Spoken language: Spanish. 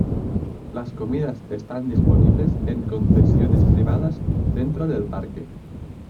Las comidas están disponibles en concesiones privadas dentro del parque.